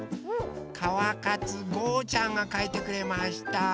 かわかつごうちゃんがかいてくれました。